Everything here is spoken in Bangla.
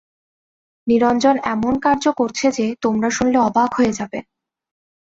নিরঞ্জন এমন কার্য করছে যে, তোমরা শুনলে অবাক হয়ে যাবে।